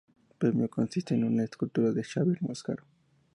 El premio consiste en una escultura de Xavier Mascaró.